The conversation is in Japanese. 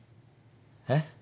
えっ？